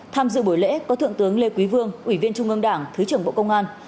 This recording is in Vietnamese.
tham dự buổi lễ có thượng tướng lê quý vương ủy viên trung ương đảng thứ trưởng bộ công an